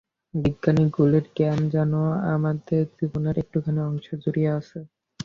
বিজ্ঞানগুলির জ্ঞান যেন আমাদের জীবনের একটুখানি অংশ জুড়িয়া আছে।